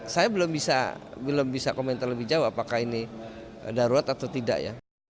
saya belum bisa komentar lebih jauh apakah ini darurat atau tidak ya